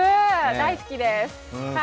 大好きです。